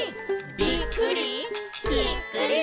「ぴっくり！